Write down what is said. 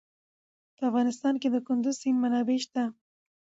په افغانستان کې د کندز سیند منابع شته.